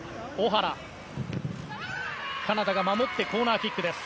カナダが守ってコーナーキックです。